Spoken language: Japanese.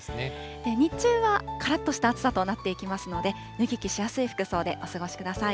日中はからっとした暑さとなっていきますので、脱ぎ着しやすい服装でお過ごしください。